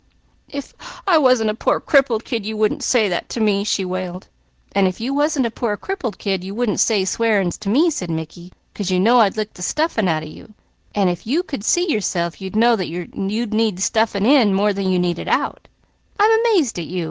"'F I wasn't a pore crippled kid, you wouldn't say that to me," she wailed. "And if you wasn't 'a poor crippled kid,' you wouldn't say swearin's to me," said Mickey, "'cause you know I'd lick the stuffin' out of you, and if you could see yourself, you'd know that you need stuffin' in, more than you need it out. I'm 'mazed at you!